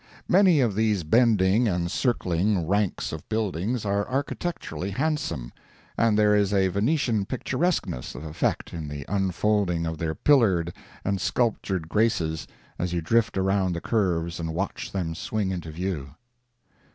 Many of these bending and circling ranks of buildings are architecturally handsome, and there is a Venetian picturesqueness of effect in the unfolding of their pillared and sculptured graces as you drift around the curves and watch them swing into view.